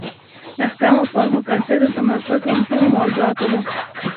د احکامو پر مقاصدو تمرکز له مهمو موضوعاتو ده.